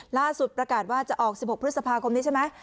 ล่าสุดประกาศว่าจะออก๑๖พฤษภาคมนี้ใช่ไหม